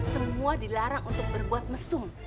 semua dilarang untuk berbuat mesum